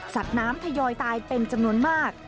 น้ำทยอยตายเป็นจำนวนมาก